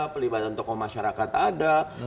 pelibatan tokoh masyarakat ada